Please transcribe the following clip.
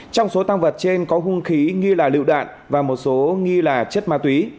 trong số tăng vật trên có hung khí nghi là lựu đạn và một số nghi là chất ma túy